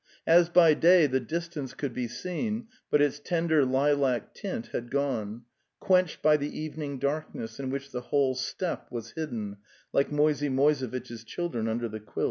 As by day the distance could be seen, but its tender lilac tint had gone, quenched by the evening dark ness, in which the whole steppe was hidden like Moisey Moisevitch's children under the quilt.